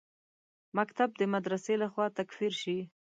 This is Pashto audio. مکتب د مدرسې لخوا تکفیر شي.